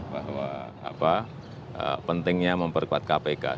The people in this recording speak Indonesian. bahwa pentingnya memperkuat kpk